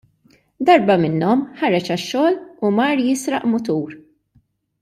Darba minnhom ħareġ għax-xogħol u mar jisraq mutur.